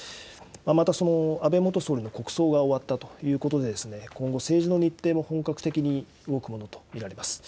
またその安倍元総理の国葬が終わったということで、今後、政治の日程も本格的に動くものと見られます。